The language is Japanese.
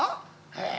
へえ。